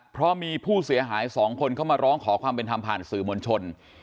เพราะมีผู้เสียหายสองคนเข้ามาร้องขอความเป็นธรรมผ่านสื่อมวลชน